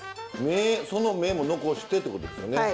その芽も残してってことですよね。